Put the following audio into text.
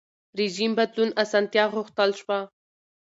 رژیم بدلون اسانتیا غوښتل شوه.